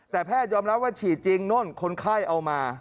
แต่แพทยอมรับว่าฉีดจริงโน่นคนไข้เอามา